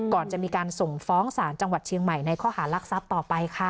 ก่อนจะมีการส่งฟ้องศาลจังหวัดเชียงใหม่ในข้อหารักทรัพย์ต่อไปค่ะ